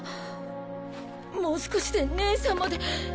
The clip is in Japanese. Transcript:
もう少しで姉さんまで！